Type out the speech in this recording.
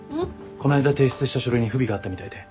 こないだ提出した書類に不備があったみたいで。